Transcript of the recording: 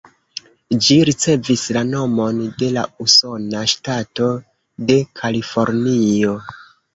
Ĝi ricevis la nomon de la usona ŝtato de Kalifornio.